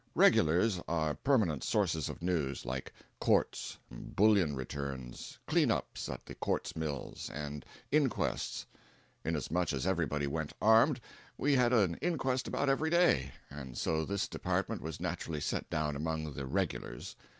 "Regulars" are permanent sources of news, like courts, bullion returns, "clean ups" at the quartz mills, and inquests. Inasmuch as everybody went armed, we had an inquest about every day, and so this department was naturally set down among the "regulars."